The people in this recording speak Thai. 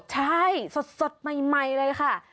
ใช่สดใหม่เลยค่ะ